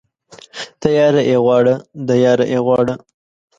تياره يې غواړه ، د ياره يې غواړه.